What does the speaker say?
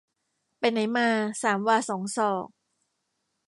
ไปไหนมา สามวาสองศอก